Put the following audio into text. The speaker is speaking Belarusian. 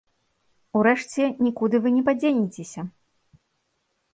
Урэшце, нікуды вы не падзенецеся!